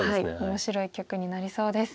面白い一局になりそうです。